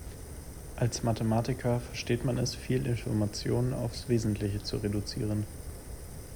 Als Mathematiker versteht man es, viel Information aufs Wesentliche zu reduzieren.